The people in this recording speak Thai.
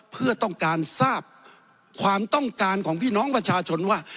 เพื่อต้องการทราบความต้องการของพี่น้องประชาชนว่า